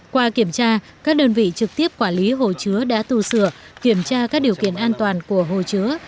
qua kiểm tra các đơn vị trực tiếp quản lý hồ chứa đã tu sửa kiểm tra các điều kiện an toàn của hồ chứa